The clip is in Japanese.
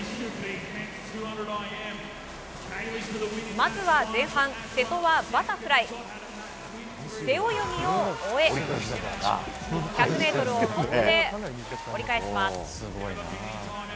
まずは前半、瀬戸はバタフライ、背泳ぎを終え１００ｍをトップで折り返します。